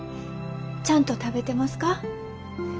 ちゃんと食べてますか？